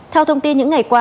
theo thông tin những ngày qua